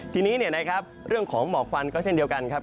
ทีนี้เรื่องของหมอกควันก็เช่นเดียวกันครับ